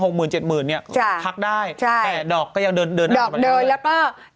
หกหมื่นเจ็ดหมื่นเนี่ยพักได้แต่ดอกก็ยังเดินดอกเดินแล้วก็